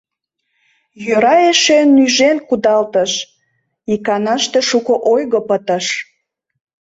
Йӧра эше нӱжен кудалтыш — иканаште шуко ойго пытыш...